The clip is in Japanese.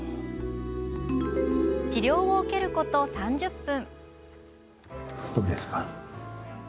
治療を受けること３０分。